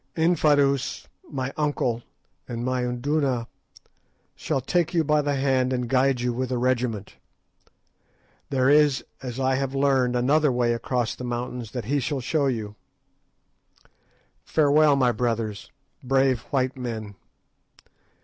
Infadoos, my uncle, and my Induna, shall take you by the hand and guide you with a regiment. There is, as I have learned, another way across the mountains that he shall show you. Farewell, my brothers, brave white men.